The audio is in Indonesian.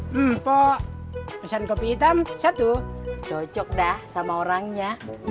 mpok pesan kopi hitam satu cocok dah sama orangnya